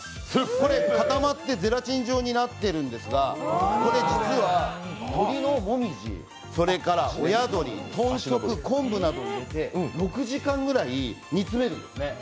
これかたまってゼラチン状になっているんですが、鳥のもみじ、それから親鶏、豚足、昆布などを入れて、６時間ぐらい煮詰めるんですね。